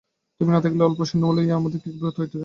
তুমি না থাকিলে অল্প সৈন্য লইয়া আমাদের কী বিপদ হইত জানি না।